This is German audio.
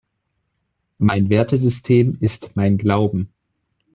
Mein Wertesystem ist mein Glauben.